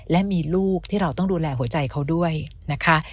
และมีลูกที่เราต้องดูแลหัวใจเขาด้วยนะคะ